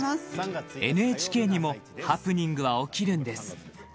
ＮＨＫにもハプニングは起きるんです。